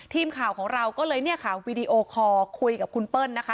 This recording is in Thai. ทีมข่าวของเราก็เลยเนี่ยค่ะวีดีโอคอร์คุยกับคุณเปิ้ลนะคะ